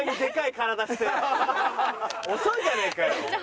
遅いじゃねえかよ！